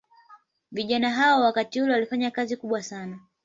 Vijana hao wakati ule walifanya kazi kubwa sana